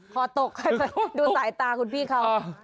ขอตกให้ไปดูสายตาคุณพี่เขา